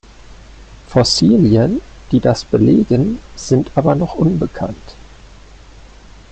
Fossilien, die das belegen, sind aber noch unbekannt.